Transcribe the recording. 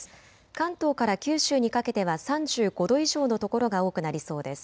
関東から九州にかけては３５度以上の所が多くなりそうです。